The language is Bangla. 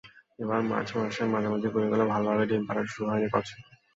এবার মার্চ মাসের মাঝামাঝি গড়িয়ে গেলেও ভালোভাবে ডিম পাড়া শুরু হয়নি কচ্ছপের।